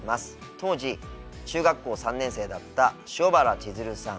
当時中学校３年生だった塩原ちづるさん。